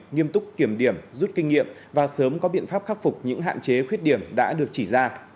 nghiêm túc kiểm điểm rút kinh nghiệm và sớm có biện pháp khắc phục những hạn chế khuyết điểm đã được chỉ ra